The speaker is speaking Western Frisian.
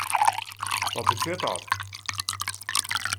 Wat betsjut dat?